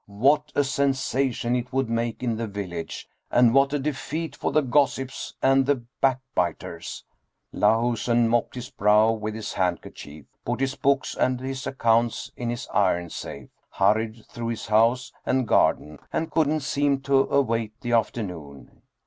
What a sensation it would make in the village ! and what a defeat for the gossips and the backbiters ! Lahusen mopped his brow with his handkerchief, put his books and his ac counts in his iron safe, hurried through his house and gar den and couldn't seem to await the afternoon.